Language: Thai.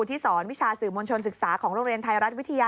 ที่สอนวิชาสื่อมวลชนศึกษาของโรงเรียนไทยรัฐวิทยา